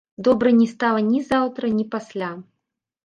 Добра не стала ні заўтра, ні пасля.